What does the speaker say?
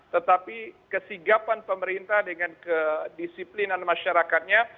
tetapi kesigapan pemerintah dengan kedisiplinan masyarakatnya